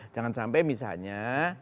jangan sampai misalnya